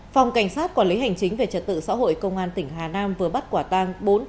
phòng cảnh sát quản lý hành chính về trật tự xã hội công an tỉnh hà nam vừa bắt quả tang